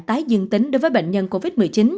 tái dương tính đối với bệnh nhân covid một mươi chín